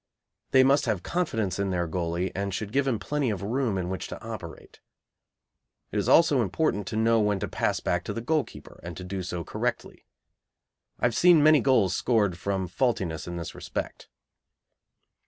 They must have confidence in their goalie, and should give him plenty of room in which to operate. It is also important to know when to pass back to the goalkeeper, and to do so correctly. I have seen many goals scored from faultiness in this respect.